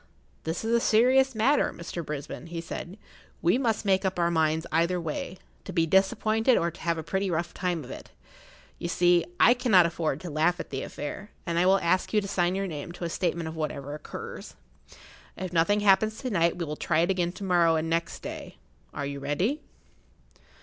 "This is a serious matter, Mr. Brisbane," he said. "We must make up our minds either way—to be disappointed or to have a pretty rough time of it. You see, I cannot afford to laugh at the affair, and I will ask you to sign your name to a statement of whatever occurs. If nothing happens to night we will try it again to morrow and next day. Are you ready?"